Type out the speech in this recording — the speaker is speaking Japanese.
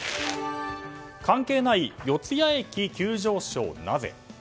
関係ない四ツ谷駅急上昇、なぜ？